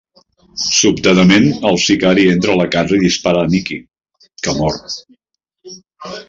Sobtadament, el sicari entra a la casa i dispara a Nicki, que mor.